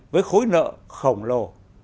với khối nợ khổng lồ